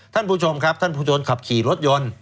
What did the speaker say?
ท่านผู้ชมครับท่านผู้ชมขับขี่รถยนต์